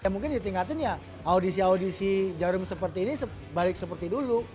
mungkin ditingkatin ya audisi audisi jarum seperti ini sebalik seperti dulu